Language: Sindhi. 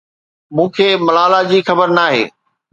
مون کي ملالا جي خبر ناهي.